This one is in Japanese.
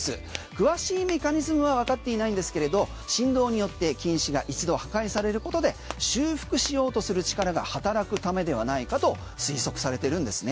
詳しいメカニズムはわかっていないんですけれど振動によって菌糸が一度破壊されることで修復しようとする力が働くためではないかと推測されてるんですね。